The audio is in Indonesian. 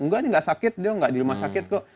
enggak ini nggak sakit dia nggak di rumah sakit kok